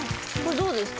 どうですか？